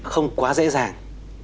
không quá dễ dàng